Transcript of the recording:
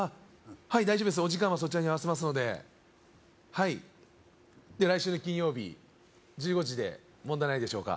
はい大丈夫ですお時間はそちらに合わせますのではいじゃあ来週の金曜日１５時で問題ないでしょうか？